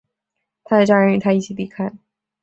他的家人与他一起离开。